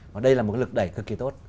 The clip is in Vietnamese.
và đây là một lực đẩy cực kỳ tốt